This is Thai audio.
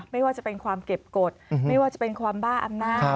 ไม่ว่าจะเป็นความเก็บกฎไม่ว่าจะเป็นความบ้าอำนาจ